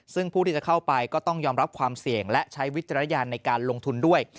ซึ่งผู้ที่จะเข้าไปก็ต้องยอมรับความเสี่ยงและใช้วิจารณญาณในการลงทุนด้วย